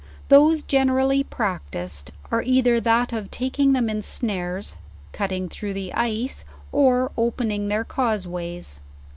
Those generally practiced, are either that of taking them in snares, cutting through the ice, or opening their cause ways.